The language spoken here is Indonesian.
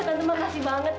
tante makasih banget